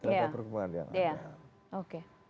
tentang perkembangan yang ada ya oke